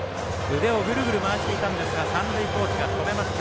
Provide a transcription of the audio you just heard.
腕をぐるぐる回していたんですが三塁コーチが止めました。